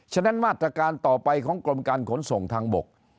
ฉะนั้นมาตรการต่อไปของกรมการขนส่งทางบก